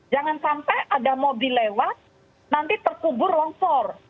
jangan sampai ada mobil lewat nanti terkubur longsor